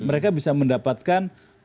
mereka bisa mendapatkan